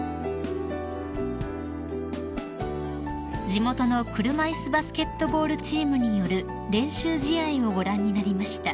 ［地元の車いすバスケットボールチームによる練習試合をご覧になりました］